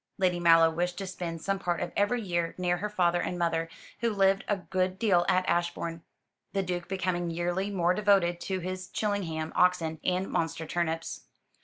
Lady Mallow wished to spend some part of every year near her father and mother, who lived a good deal at Ashbourne, the Duke becoming yearly more devoted to his Chillingham oxen and monster turnips.